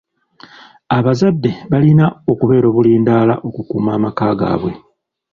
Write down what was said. Abazadde balina okubeera obulindaala okukuuma amaka gaabwe.